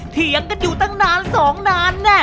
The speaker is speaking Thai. เถียงกันอยู่ตั้งนานสองนานแน่